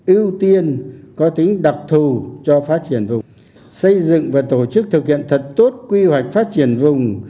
ưu tiên có tính đặc thù cho phát triển vùng xây dựng và tổ chức thực hiện thật tốt quy hoạch phát triển vùng